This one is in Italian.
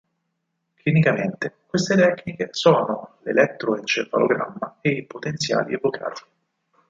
Clinicamente queste tecniche sono l'elettroencefalogramma e i potenziali evocati.